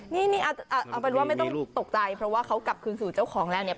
นี่เอาเป็นว่าไม่ต้องตกใจเพราะว่าเขากลับคืนสู่เจ้าของแล้วเนี่ย